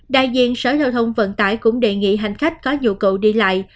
đại diện sở giao thông vận tải cũng đề nghị hành khách có nhu cầu đi lại